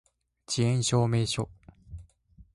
遅延証明書